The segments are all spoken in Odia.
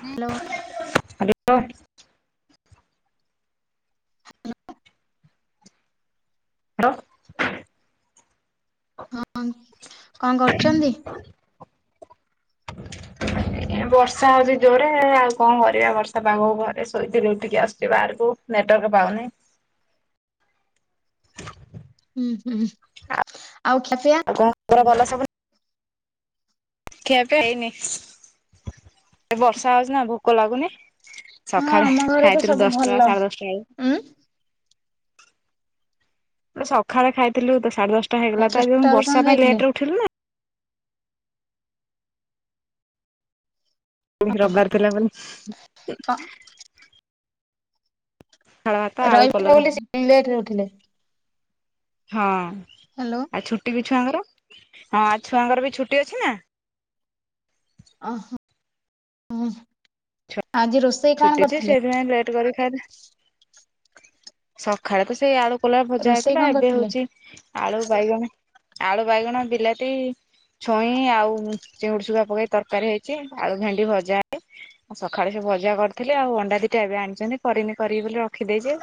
ହ୍ୟାଲୋ। [unintelligible] [unintelligible] ହ୍ୟାଲୋ। ହଁ କଣ କରୁଚନ୍ତି? ବର୍ଷା ହଉଛି ଜୋରେ ଆଉ କଣ କରିବା ବର୍ଷା ପାଗକୁ ଘରେ ଶୋଇଥିଲି ଉଠିକି ଆସୁଛି ବାହାରକୁ। ନେଟୱାର୍କ ପାଉନି। ହୁଁ ହୁଁ ଆଉ ଖିଆ ପିଆ? [unintelligible] କଣ ଭଲ ସବୁ? ଖିଆ ପିଆ ହେଇନି ଏ ବର୍ଷା ହଉଛି ନା ଭୋକ ଲାଗୁନି। ହଁ ସକାଳେ ଆମ ଘରେ ତ ଖାଇଥିଲୁ ସବୁ ଦଶଟା ଭଲ। ସାଢେ ଦଶଟା ବେଳୁ। ଉଁ ସକାଳେ ଖାଇଥିଲୁ ତ ସାଢେ ଦଶଟା ସାଢ଼େ ହେଇଗଲା ତ ଆଜି ଦଶଟା ମୁଁ ବେଳୁ କଣ ବର୍ଷା ପାଇଁ ଖାଇଥିଲେ? ଲେଟରେ ଉଠିଲୁ ନା। ରବିବାର ଥିଲା ବୋଲି ପଖାଳଭାତ, ଆଳୁ, ରହିଥିଲେ କଲରା ବୋଲି ସେ ଲେଟରେ ଉଠିଲେ। ହଁ। ହ୍ୟାଲୋ। ଆଉ ଛୁଟି ବି ଛୁଆଙ୍କର ହଁ ଆଜି ଛୁଆଙ୍କର ବି ଛୁଟି ଅଛି ନା। ଓ ହୋ ହଁ ଆଜି ରୋଷ ଛୁଟି ଯେ ସେଇଥିପାଇଁ ଲେଟ୍ କରିକି ଖାଇଲେ ସକାଳେ ତ ସେଇ ଆଳୁ କଲରା ଭଜା ରୋଷେଇ ହେଇଥିଲା କଣ ଏବେ କରିଥିଲେ? ହଉଛି ଆଳୁ, ବାଇଗଣ ଆଳୁ, ବାଇଗଣ, ବିଲାତି ଛୁଇଁ ଆଉ ଚିଙ୍ଗୁଡ଼ି ଶୁଖୁଆ ପକେଇ ତରକାରୀ ହେଇଛି ଆଳୁ ଭେଣ୍ଡି ଭଜା ହ ସକାଳେ ସେ ଭଜା କରିଥିଲି ଆଉ ଅଣ୍ଡା ଦିଟା ଏବେ ଆଣିଚନ୍ତି କରିନି କରିବି ବୋଲି ରଖିଦେଇଛି।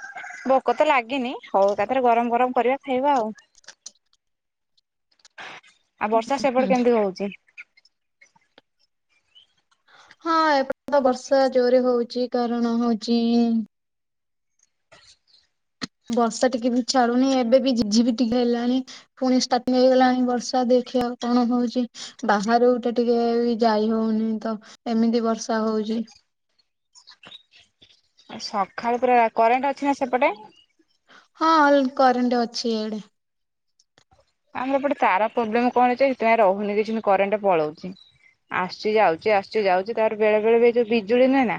ଭୋକ ତ ଲାଗିନି ହଉ ଏକାଥରେ ଗରମ ଗରମ କରିବା ଖାଇବା ଆଉ। ଆଉ ବର୍ଷା ସେପଟେ କେମିତି ହଉଛି? ହଁ ଏପ [unintelligible] ତ ବର୍ଷା ଜୋରେ ହଉଚି କାରଣ ହଉଛି ବର୍ଷା ଟିକେ ବି ଛାଡୁ଼ନି ଏବେ ବି ଝିପି ଝିପି ଟିକେ ହେଲାଣି। ପୁଣି ଷ୍ଟାର୍ଟିଂ ହେଇଗଲାଣି ବର୍ଷା ଦେଖିବା ଆଉ କଣ ହଉଛି। ବାହାରକୁ ତ ଟିକେ ଯାଇ ହଉନି ତ ଏମିତି ବର୍ଷା ହଉଚି। ସକାଳୁ ପୁରା କରେଣ୍ଟ୍ ଅଛି ନା ସେପଟେ? ହଁ କରେଣ୍ଟ୍ ଅଛି ଇଆଡ଼େ। ଆମର ଏପଟେ ତାର ପ୍ରୋବ୍ଲେମ୍ କଣ ଅଛି ସେଥିପାଇଁ ରହୁନି [unintelligible] କରେଣ୍ଟ ପଳଉଛି। ଆସୁଚି ଯାଉଛି ଆସୁଚି ଯାଉଛି ତାପରେ ବେଳେ ବେଳେ ବି ଏଇ ଯୋଉ ବିଜୁଳି ନୁହେଁ ନା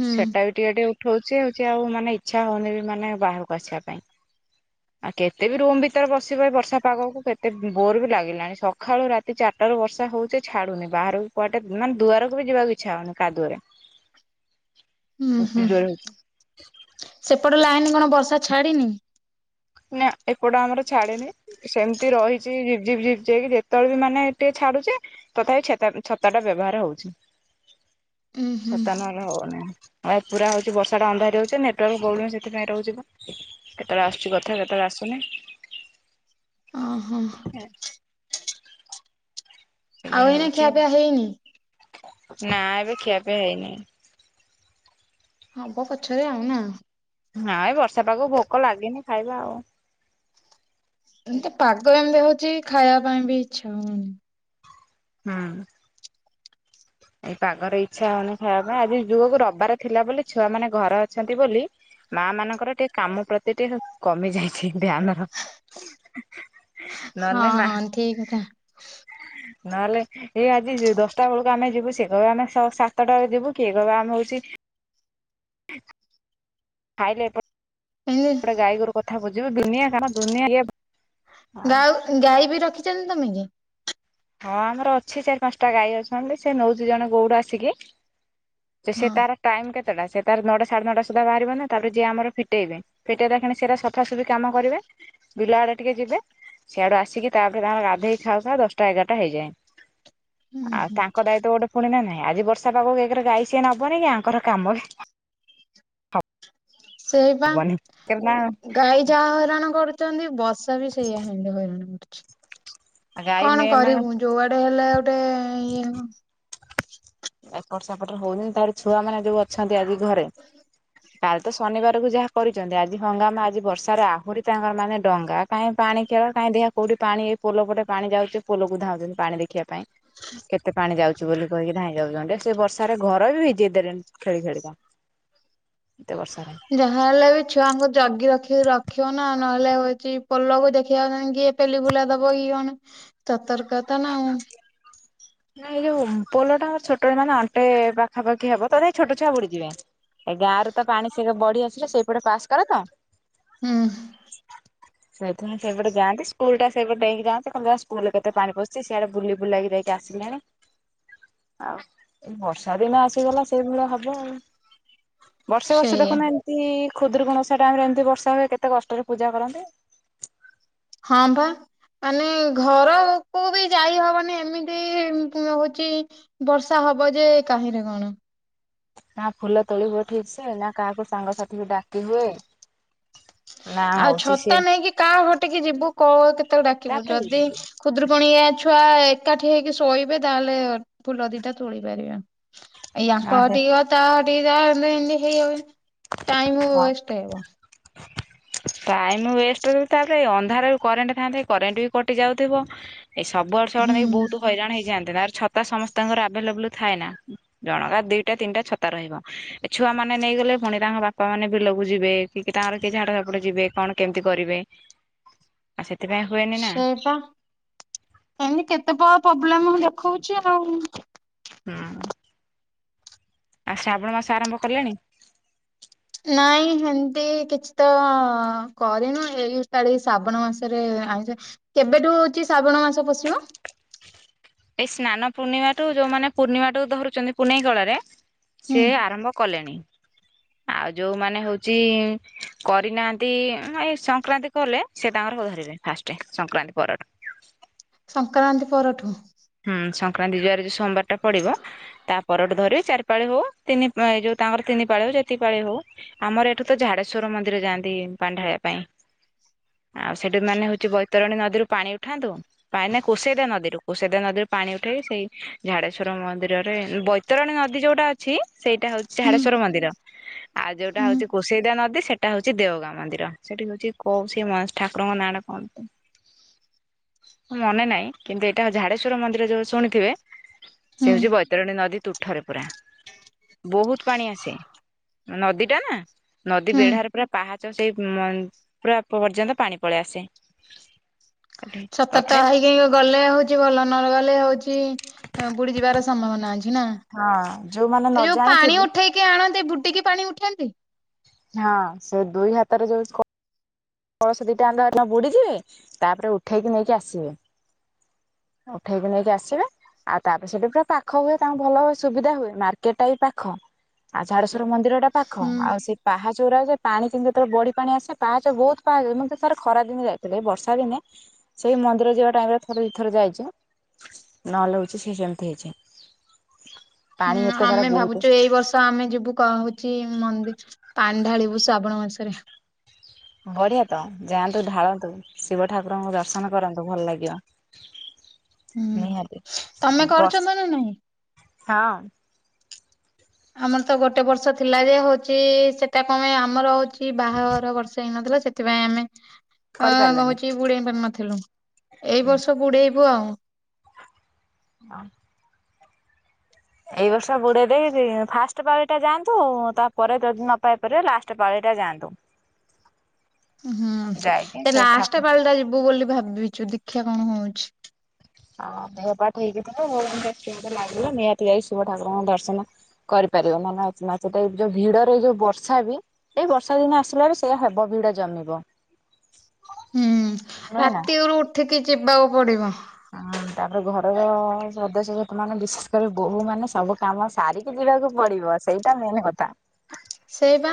ହୁଁ ସେଟା ବି ଟିକେ ଟିକେ ଉଠଉଛି ହଉଛି ଆଉ ମାନେ ଇଚ୍ଛା ହଉନି ବି ମାନେ ବାହାରକୁ ଆସିବା ପାଇଁ। ଆଉ କେତେ ବି ରୁମ୍ ଭିତରେ ବସିବ ଏ ବ ବର୍ଷା ପାଗକୁ କେତେ ବୋର୍ ବି ଲାଗିଲାଣି ସକାଳୁ ରାତି ଚାରିଟାରୁ ବର୍ଷା ହଉଛି ଛାଡୁନି ବାହାରୁ କୁଆଡ଼େ ମାନେ ଦୁଆରକୁ ବି ଯିବାକୁ ଇଚ୍ଛା ହଉନି କାଦୁଅରେ। ହୁଁ ଏତେ ହୁଁ ଜୋରେ ହଉଛି ସେପଟ ଲାଇନ୍ କଣ ବର୍ଷା ଛାଡି଼ନି? ନା ଏପଟ ଆମର ଛାଡ଼ିନି। ସେମିତି ରହିଛି ଝିପି ଝିପି ଝିପି ହେଇକି ଯେତେବେଳେ ବି ମାନେ ଟିକେ ଛାଡୁଛି ତଥାପି ଛେତା ଛତା ଟା ବ୍ୟବହାର ହଉଛି। ଉୁଁ ହୁଁ ଛତା ନହେଲେ ହବନି। ଆଉ ପୁରା ହଉଛି ବର୍ଷାଟା ଅନ୍ଧାରି ହେଉଛି ନେଟୱାର୍କ ପ୍ରୋବ୍ଲେମ୍ ସେଥିପାଇଁ ରହୁଛି ପା କେତେବେଳେ ଆସୁଚି ବ [unintelligible] ଯେତେବେଳେ ଆସୁନି। ଓ ହୋ। [inaudible] ଏଭଳି ଆଉ ଏଇନା ଖିଆ ପିଆ ହେଇନି? ନାଁ ଏବେ ଖିଆ ପିଆ ହେଇନି। ହବ ପଛରେ ଆଉ ନା? ନାଇ ବର୍ଷା ପାଗ ଭୋକ ଲାଗିନି ଖାଇବା ଆଉ। ଏମିତି ପାଗ ଏମିତି ହଉଛି ଖାଇବା ପାଇଁ ବି ଇଚ୍ଛା ହଉନି। ହୁଁ। ଏଇ ପାଗରେ ଇଚ୍ଛା ହଉନି ଖାଇବା ପାଇଁ ଆଜି ଯୁଗ ରବିବାର ଥିଲା ବୋଲି ଛୁଆ ମାନେ ଘରେ ଅଛନ୍ତି ବୋଲି ମା ମାନଙ୍କର ଟିକେ କାମ ପ୍ରତି ଟିକେ କମି ଯାଇଛି ଧ୍ୟାନ। ହଁ ଠିକ୍ କଥା। ନହେଲେ ଏ ଆଜି ଦଶଟା ବେଳକୁ ଆମେ ଯିବୁ ସିଏ କହିବ ଆମେ ସ ସାତଟାରେ ଯିବୁ କିଏ କହିବ ଆମେ ହଉଛି ଖାଇଲେ ଏ ଏମିତି ପଟେ ଗାଈ ଗୋରୁ କଥା ବୁଝିବୁ ଦୁନିଆ କାମ ଦୁନିଆ ଇଏ। ହଁ ଗାଉ ଗାଈ ବି ରଖିଛନ୍ତି ତମେ କି? ହଁ ଆମର ଅଛି ଚାରି ପାଞ୍ଚଟା ଗାଈ ଅଛନ୍ତି ସେ ନେଉଛି ଜଣେ ଗଉଡ଼ ଆସିକି। ଯେ ସେ ହଁ ତାର ଟାଇମ୍ କେତେଟା ସେ ତାର ନଅଟା ସାଢେ ନଅଟା ସୁଦ୍ଧା ବାହାରିବ ନା ତାପରେ ଯିଏ ଆମର ଫିଟେଇବେ। ଫିଟେଇ ଲା ଖିଣି ସେଇରା ସଫାସଫି କାମ କରିବେ। ବିଲ ଆଡେ ଟିକେ ଯିବେ ସିଆଡୁ ଆସିକି ତାପରେ ତାଙ୍କର ଗାଧେଇ ଖାଉ ଖାଉ ଦଶ ଟା ଏଗାରଟା ହେଇଯାଏ। ହୁଁ ଆଉ ହୁଁ। ତାଙ୍କ ଦାୟିତ୍ବ ଗୋଟେ ପୁଣି ନା ନାଇଁ ଆଜି ବର୍ଷା ପାାଗକୁ ଏକରେ ଗାଈ ସିଏ ନବନେଇଁ କି ଆଙ୍କର କାମବି ସେଇପା ହବନି। ନା ଗାଈ ଯାହା ହଇରାଣ କରୁଛନ୍ତି ବର୍ଷା ବି ସେଇୟା ହେମତି ହଇରାଣ କରୁଛି। ଗାଈ କଣ ମେ ମାନେ କରିବୁ ଯୋଉଆଡେ ହେଲେ ଗୋଟେ ଇଏ ଏପଟ ସେପଟରେ ହଉନି ତାପରେ ଛୁଆ ମାନେ ଯୋଉ ଅଛନ୍ତି ଆଜି ଘରେ କାଲି ତ ଶନିବାରକୁ ଯାହା କରିଛନ୍ତି, ଆଜି ହଙ୍ଗାମା ଆଜି ବର୍ଷାରେ ଆହୁରି ତାଙ୍କର ମାନେ ଡଙ୍ଗା କାଇଁ ପାଣି ଖେଳ କାଇଁ ଦେଖିବା କୋଉଠି ପାଣି ଏଇ ପୋଲ ପଟେ ପାଣି ଯାଉଛି, ପୋଲକୁ ଧାଉଛନ୍ତି ପାଣି ଦେଖିବା ପାଇଁ। କେତେ ପାଣି ଯାଉଛି ବୋଲି କହିକି। ଧାଇଁ ଯାଉଛନ୍ତି, ସେ ବର୍ଷାରେ ଘର ବି ଭିଜେଇ ଦେଲେନି ଖେଳି ଖେଳିିକା, ଏତେ ବର୍ଷାରେ। ଯାହା ହେଲେ ବି ଛୁଆଙ୍କୁ ଜଗି ରଖି ରଖିବ ନା ନହେଲେ ହଉଛି ପୋଲକୁ ଦେଖିବାକୁ କିଏ ପେଲି ବୁଲା ଦବ କିଏ କଣ ସତର୍କତା ନା ଆଉ। ନା ଏଇ ଯୋଉ ପୋଲଟା ଆ ଛୋଟ ମାନେ ଅଣ୍ଟେ ପାଖାପାଖି ହବ ତଥାପି ଛୋଟ ଛୁଆ ବୁଡିଯିବେ। ଏ ଗାଁ ରେ ତ ପାଣି ସେ ବଢି ଆସିଲେ ସେଇପଟେ ପାସ୍ କରେ ତ। ହୁଁ। ସେଇଥି ନି ସେ ସେପଟେ ଯାନ୍ତି ସ୍କୁଲ ଟା ସେଇପଟେ ଡ଼େଇଁକି ଜାଆନ୍ତି [unintelligible] ସ୍କୁଲ କେତେ ପାଣି ପଶିଚି ସିଆଡେ ବୁଲି ବୁଲାକି ଯଇକି ଟେ ଆସିଲାଣି ଆଉ ବର୍ଷା ଦିନ ଆସିଗଲା ସେଇଭଳିଆ ହବ ଆଉ। ବର୍ଷେ ବର୍ଷେ ସେଇଆ ଦେଖୁନ ଏମିତି ଖୁଦୁରୁକୁଣୀ ଓଷା ଟାଇମରେ ଏମିତି ବର୍ଷା ହୁଏ କେତେ କଷ୍ଟରେ ପୂଜା କରନ୍ତି। ହଁ ବା। ମାନେ ଘରକୁୁ ଉପ ବି ଯାଇ ହବନି ଏମିତି -ହଉଛି। ବର୍ଷା ହବ ଯେ କାହିଁରେ କଣ? ନା ଫୁଲ ତୋଳିବ ଠିକ ସେ ନା କାହାକୁ ସାଙ୍ଗସାଥିକୁ ଡାକି ହୁଏ ନା ଆଉ ହଉଛି ଛତା ସିଏ ନେଇକି କାହା ଘରଟିକି ଯିବୁ କ କେତେବେଳେ ଡାକିବୁ ଯଦି ଖୁଦୂରୁକୁଣଆ ଛୁଆ ଏକାଠି ହେଇକି ଶୋଇବେ ତାହେଲେ ଫୁଲ ଦିଟା ତୋଳି ପାରିବା। ଏଇ ଆକ ହଁ ଘରଠିକ ଟିକିବ ତା ଟିକ ହେଇଯାଉଛି। ଟାଇମ ୱେଷ୍ଟ ଟାଇମ ୱେଷ୍ଟ ତାପରେ ଅନ୍ଧାରରେ କରେଣ୍ଟ ଥାଆନ୍ତେ କରେଣ୍ଟ ବି କଟି ଯାଉଥିବ। ଏଇ ସବୁଆଡୁ ସବୁଆଡୁ ନେଇକି ହୁଁ ବହୁତ ହଇରାଣ ହେଇଯାଆନ୍ତି ତାର ଛତା ସମସ୍ତଙ୍କର ଆଭେଲେବୁଲ ଥାଏ ନା। ଜଣଗୁ ଦିଟା ତିନିଟା ଛତା ରହିବ ଏ ଛୁଆ ମାନ ନେଇଗଲେ ପୁଣି ତାଙ୍କ ବାପ ବାପା ମାନେ ବିଲକୁ ଯିବେ କି ତାଙ୍କର କିଏ ଝାଡ ଝପଟ ଯିବେ କଣ କେମିତି କରିବେ? ଆଉ ସେଥିପାଇଁ ହୁଏନି ନା ସେଇଟା ଏମିତି କେତେ କଣ ପ୍ରୋବ୍ଲେମ ଦେଖଉଛି ଆଉ ହୁଁ। ଆଉ ଶ୍ରାବଣ ମାସ ଆରମ୍ଭ କଲେଣି? ନାଇଁ ହେନ୍ତି କିଛି ତ ଅ କରିନୁ, ଏଇ ସ୍ଥାଳି ଶ୍ରାବଣ ମାସରେ ଆଇଁଷ କେବେଠୁ ହଉଛି ଶ୍ରାବଣ ମାସ ପଶିବ? ଏଇ ସ୍ନାନ ପୂର୍ଣ୍ଣିମାଠୁ, ଯୋଉମାନେ ପୂର୍ଣ୍ଣିମାଠୁ ଧରୁଛନ୍ତି ପୁନେଇଁ କଳାରେ ହୁଁ ସିଏ ଆରମ୍ଭ କଲେଣି। ଆଉ ଯୋଉମାନେ ହଉଛି କରିନାହାଁନ୍ତି ଏଁ ସଂକ୍ରାନ୍ତି କଲେ, ସେ ତାଙ୍କର ହ ଧରିବେ ଫାଷ୍ଟେ ସଂକ୍ରାନ୍ତି ପରଠୁ। ସଂକ୍ରାନ୍ତି ପରଠୁ? ହୁଁ। ସଂକ୍ରାନ୍ତି ଯୁଆରେ ଯୋଉ ସୋମବାରଟା ପଡିବ ତାପରଠୁ ଧରିିବେ, ଚାରି ପାଳି ହଉ ତିନି ଏଇ ଯୋଉ ତାଙ୍କର ତିନି ପାଳି ହଉ, ଯେତିକି ପାଳି ହଉ ଆମର ଏଠୁ ତ ଝାଡେଶ୍ଵର ମନ୍ଦିର ଯାଆନ୍ତି, ପାଣି ଢାଳିବା ପାଇଁ। ଆଉ ସେଠି ମାନେ ହଉଛି ବୈତରଣୀ ନଦୀରୁ ପାଣି ଉଠାନ୍ତୁ, ପାଏ ନା କୋଷେଇଟା ନଦୀରୁ କୋଷେଇ ସେଦାଇ ନଦୀରୁ ପାଣି ଉଠେଇକି, ସେଇ ଝାଡେଶ୍ୱର ମନ୍ଦିରରେ ଯୋଉ ବୈତରଣୀ ନଦୀ ଯୋଉଟା ଅ ଅଛି ସେଇଟା ହଉଛି ହୁଁ ଝାଡେଶ୍ଵର ମନ୍ଦିର, ଆଉ ଯୋଉଟା ହୁଁ ହଉଛି କୋସେଇଦା ନଦୀ ସେଟା ସେଟା ହଉଛି ଦେଓଗାଁ ମନ୍ଦିର। ସେଠି ହଉଛି କୋଉ ସେ ମ ଠାକୁରଙ୍କ ନାଁଟା କଣ? ମନେ ନାହିଁ କିନ୍ତୁ ଏଇଟା ଝାଡେଶ୍ଵର ମନ୍ଦିର ଯୋଉ ଶୁଣିଥିବେ, ସେ ହୁଁ ହଉଛି ବୈତରଣୀ ନଦୀ ତୁଠରେ ପୁରା। ବହୁତ ପାଣି ଆସେ, ନଦୀଟା ନା। ନଦୀ ହୁଁ ବେଢାରେ ପୁରା ପାହାଚ ସେଇ ଉଁ ମନ୍ ପୁରା ପର୍ଯ୍ୟନ୍ତ ପାଣି ପଳେଇ ଆସେ। ସତେ ତ ତଥାପି ହେଇ କିଏ କି ଗଲେ ହଉଛି ଭଲ, ନ ଗଲେ ହଉଛି ବୁଡି ଯିବାର ସମ୍ଭାବନା ଅଛି ନା? ହଁ ଯୋଉମାନେ ନ ଏ ଯୋଉ ପାଣି ଜାଣିଥିବେ ଉଠେଇକି ଆଣନ୍ତି, ବୁଡିକି ପାଣି ଉଠାନ୍ତି? ହଁ ସେ ଦୁଇ ହାତରେ ଯୋଉ ସ୍କୋ କଳସ ଦିଟା ଆନ୍ଦ ଆନ ବୁଡ଼ିଯିବେ, ତାପରେ ଉଠେଇକି ନେଇକି ଆସିବେ। ଉଠେଇକି ନେଇକି ଆସିବେ ଆଉ ତାପରେ ସେଠି ପୁରା ପାଖ ହୁଏ ତାଙ୍କୁ ଭଲ ସୁବିଧା ହୁଏ, ମାର୍କେଟ ଟା ବି ପାଖ ଆଉ ଝାଡେଶ୍ଵର ମନ୍ଦିରଟା ପାଖ, ହୁଁ ଆଉ ସେ ପାହାଚଉରା ଯେ ପାଣି କିନ୍ତୁ ଯେତେବେଳେ ବଢ଼ି ପାଣି ଆସେ ପାହାଚ ବହୁତ ପା ଏନୁ ସେ ତ ଥରେ ଖରା ଦିନି ଯାଇଥିଲେ, ଏ ବର୍ଷା ଦିନେ ସେଇ ମନ୍ଦିର ଯିବା ଟାଇମରେ, ଥରେ ଦି ଥର ଯାଇଚୁ ନହେଲେ ହଉଛି ସିଏ ସେମତି ହେଇଯାଏ। ହୁଁ ଆମେ ଭାବୁଛୁ ଏଇ ବର୍ଷ ତ ଆମେ ଯିବୁ କହୁଚି ମନ୍ଦିର ପାଣି ଢାଳିବୁ ଶ୍ରାବଣ ମାସରେ। ବଢିଆ ତ ଯାଆନ୍ତୁ, ଢାଳନ୍ତୁ, ଶିବ ଠାକୁରଙ୍କୁ ଦର୍ଶନ କରନ୍ତୁ, ଭଲ ଲାଗିବ। ହୁଁ। ନିହାତି। ତମେ କରୁଚ ବର୍ଷ ତ ନା ନାଇଁ? ହଁ। ଆମର ତ ଗୋଟେ ବର୍ଷ ଥିଲା ଯେ, ହଉଛି ସେଟା କମ ପାଇଁ ଆମର ହଉଛି ଏଇ ବାହାଘର ବର୍ଷେ ହେଇନଥିଲା, ସେଥିପାଇଁ ଆମେ ଅ କରିପାରିଲାନି କହୁଛି ବୁଡେଇ ପାଣି ନଥିଲୁ। ଏଇ ବର୍ଷ ବୁଡେଇବୁ ଆଉଁ। ହଁ। ଏଇ ବର୍ଷ ବୁଡେଇ ଦେଇକି ଇ ଫାଷ୍ଟ ପାଳିଟା ଯାଆନ୍ତୁ, ତାପରେ ଯଦି ନ ପାଇ ପାରିବେ ଲାଷ୍ଟ ଷ୍ଟ ପାଳିଟା ଯାଆନ୍ତୁ। [inaudible] ହୁଁ। ଯାଇକି ସେ ସେଠୁ ଠାକୁ ଲାଷ୍ଟେ ପାଳିଟା ଯିବୁ ବୋଲି ଭାବିଚୁ, ଦେଖିଆ କଣ କଣ ହଉଛି। ଆଉ ଦେହ ପା ଠିକ୍ ଥିବ [unintelligible] ମତେ ଲାଗିଲା ନିହାତି ଯାଇ ଶିବ ଠାକୁରଙ୍କ ଦର୍ଶନ କରିପାରିବ। ମନେ ଅଛି ନାଇଁ ସେଇଟା ଏ ଯୋଉ ଭିଡରେ ଏଇ ଯୋଉ ବର୍ଷା ବି ଏଇ ବର୍ଷା ଦିନ ଆସିଲାଣି ସେଇଆ ହବ ଭିଡା ଜମିବ। ହୁଁ। ନୁହେଁ ନା। ରାତିକରୁ ଉଠିକି ଯିବାକୁ ପଡିବ। ହଁ, ତାପରେ ଘରର ସଦସ୍ୟ ସେଟ ମାନେ ବିଶେଷ କରି ବୋହୂମାନେ ସବୁ କାମ ସାରିକି ଯିବାକୁ ପଡିବ ସେଇଟା ମେନ୍ କଥା। ସେଇ ବା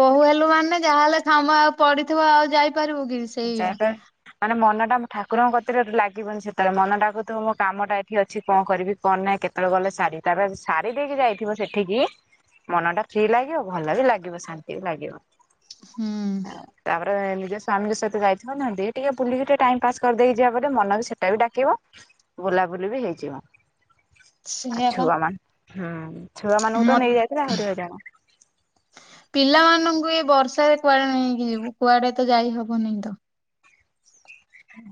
ବୋହୁ ହେଲୁ ମାନେ ଯାହାହେଲେ କାମ ଆଉ ପଡିଥିବ ଆଉ ଯାଇପାରିବୁ କି। ସେଇଆ [unintelligible] ମାନେ ମନଟା ଠାକୁରଙ୍କ କତିରେ ଲାଗିବନି ସେତେବେଳେ ମନ ଡାକୁଥିବା ମୋ କାମ ଟା ଏଠି ଅଛି କଣ କରିବି? କଣ ନାଇଁ କେତେବେଳେ ଗଲେ ସାରିବି ତାପରେ ସାରି ଦେଇକି ଯାଇଥିବ ସେଠିକି। ମନ ଟା ଫ୍ରି ଲାଗିବ, ଭଲ ବି ଲାଗିବ, ଶାନ୍ତି ବି ଲାଗିବ। ହୁଁ। ତାପରେ ନିଜ ସ୍ୱାମୀଙ୍କ ସହିତ। ଯାଇଥିବ ନା ଦେ ଏମିତି ଟିକେ ବୁଲିକି ଟିକେ ଟାଇମ୍ ପାସ୍ କରିଦେଇି ଯିବା ବେଲି ମନ ବି ସେଟା ବି ଡାକିବ। ବୁଲାବୁଲି ବି ହେଇଯିବ। ଆଉ ସେଇଆ ପା ଛୁଆ ମାନେ ହୁଁ ଛୁଆ ମାନଙ୍କୁ ମ ତ ନେଇ ଯାଇଥିଲେ ଆହୁରି ହଇରାଣ। [inaudible] ପିଲାମାନଙ୍କୁ ଏ ବର୍ଷାରେ କୁଆଡେ ନେଇକି ଯିବୁ କୁଆଡେ ତ ଯାଇ ହବନି ତ।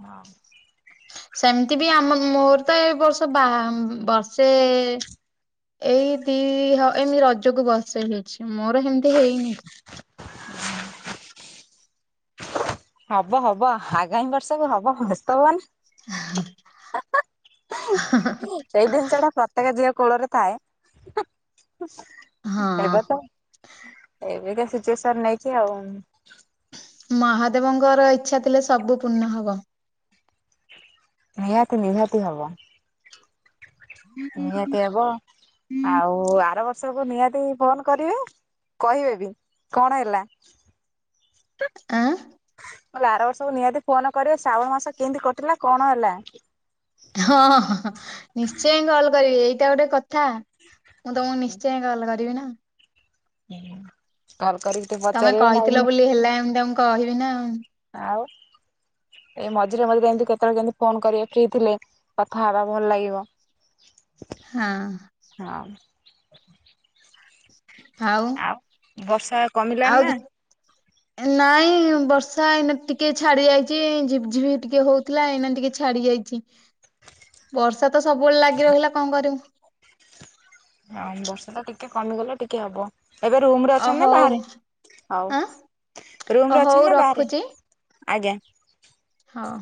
ହଁ। ସେମିତି ବି ଆମ ମୋର ତ ଏ ବର୍ଷ ବାହା ବର୍ଷେ ଏ ଏଇ ଦି ହ ଏମିତି ରଜକୁ ବର୍ଷେ ହେଇଛି ମୋର ହେମିତି ହେଇନି। [unintelligible] ହବ ହବ ଆଗାମୀ ବର୍ଷକୁ ହବ ବ୍ୟସ୍ତ ହୁଅନି। ସେଇ ଜିନିଷଟା ପ୍ରତ୍ୟେକ ଝିଅ କୋଳରେ ଥାଏ, ହଁ ଏବେ ତ। ଏବେକା ସିଚୁଏସନ ନେଇକି ଆଉ। ମହାଦେବଙ୍କର ଇଚ୍ଛା ଥିଲେ ସବୁ ପୂର୍ଣ୍ଣ ହବ। ନିହାତି ନିହାତି ହବ। ନିହାତି ହବ ଆଉ ଆର ବର୍ଷ। ସବୁ ନିହାତି ଫୋନ କରିବେ କହିବେ ବି କଣ ହେଲା? ଆଁ? ମୁଁ କହିଲି ଆର ବର୍ଷବୁ ନିହାତି ଫୋନ କରିବେ ଶ୍ରାବଣ ମାସ କେମିତି କଟିଲା କଣ ହେଲା? ହଁ ହଁ ନିଶ୍ଚୟ ହିଁ କଲ କରିବେ ଏଇଟା ଗୋଟେ କଥା। ମୁଁ ତମକୁ ନିଶ୍ଚୟ କଲ କରିବି ନା। [inaudible] କରିକି ଟିକେ ତମେ ପଚାରିବେ ନା କହିଥିଲ ବୋଲି ହେଲା ଏମିତି ତମକୁ କହିବି ନା। ଆଉ? ଏ ମଝିରେ ମଝିରେ ଏମିତି କେତେବେଳେ କେମିତି ଫୋନ କରିବେ ଫ୍ରି ଥିଲେ କଥା ହବା ଭଲ ଲାଗିବ। ହଁ। ହଁ। ଆଉ ବର୍ଷା କମିଲାଣି ଆଉ ନା। କିଛି? ନାଇଁ ବର୍ଷା ଏଇନା ଟିକେ ଛାଡି ଯାଇଛି ଝିପି ଝିପି ଟିକେ ହଉଥିଲା ଏଇନା ଟିକେ ଛାଡି ଯାଇଛି। ବର୍ଷା ତ ସବୁବେଳେ ଲାଗି ରହିଲା କଣ କରିବୁ? ହଁ ବର୍ଷା ଟା ଟିକେ କମିଗଲେ ଟିକେ ହବ। ଏବେ ରୁମରେ ଅ ଅଛ ନା ହଉ ବାହାରେ ହଉ ଆଁ ରୁମ୍ ରେ ଅ ଅଛ ହଉ ନା ବାହାରେ? ରଖୁଛି ଆଜ୍ଞା। ହଁ।